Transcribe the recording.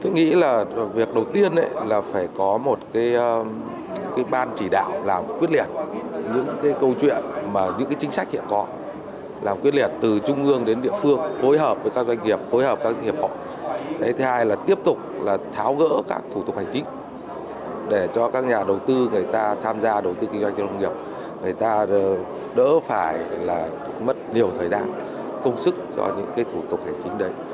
người ta đỡ phải là mất nhiều thời gian công sức cho những thủ tục hành chính đấy